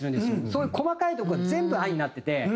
そういう細かいとこは全部「あ」になってて。